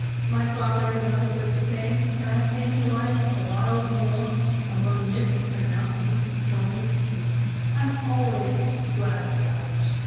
My father and mother were the same, and I came to life a wild moor, among mists and mountains and stormy seas I'm always glad of that!